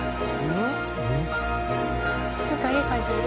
なんか絵描いてる？